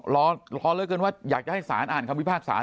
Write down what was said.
รอเหลือเกินว่าอยากจะให้สารอ่านคำพิพากษา